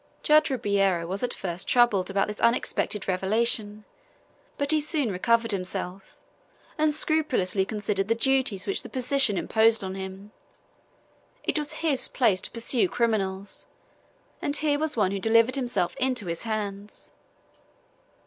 Judge Ribeiro was at first troubled about this unexpected revelation, but he soon recovered himself, and scrupulously considered the duties which the position imposed on him. It was his place to pursue criminals, and here was one who delivered himself into his hands.